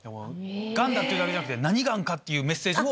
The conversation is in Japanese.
ガンだってだけじゃなくて何ガンかっていうメッセージも？